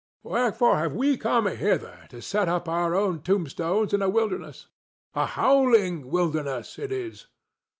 Wherefore have we come hither to set up our own tombstones in a wilderness? A howling wilderness it is.